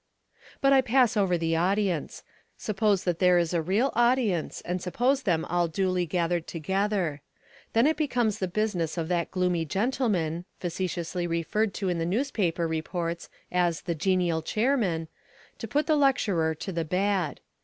But I pass over the audience. Suppose there is a real audience, and suppose them all duly gathered together. Then it becomes the business of that gloomy gentleman facetiously referred to in the newspaper reports as the "genial chairman" to put the lecturer to the bad.